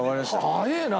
早えな！